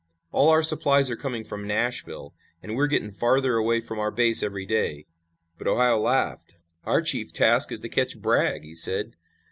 "All our supplies are coming from Nashville, and we are getting farther away from our base every day." But Ohio laughed. "Our chief task is to catch Bragg," he said.